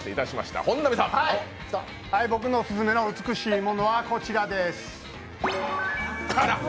僕のオススメの美しいものはこちらです。